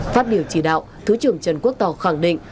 phát biểu chỉ đạo thứ trưởng trần quốc tỏ khẳng định